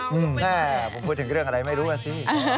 แม่ผมพูดถึงเรื่องอะไรไม่รู้อ่ะสิ